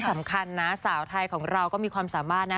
สำคัญนะสาวไทยของเราก็มีความสามารถนะ